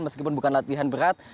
meskipun bukan latihan berat